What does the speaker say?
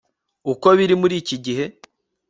uko biri muri iki gihe